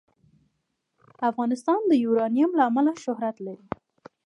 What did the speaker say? افغانستان د یورانیم له امله شهرت لري.